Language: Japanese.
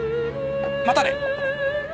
またね。